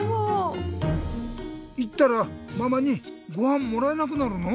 いったらママにごはんもらえなくなるの？